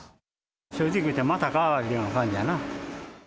正直言うて、またかいうような感じやな。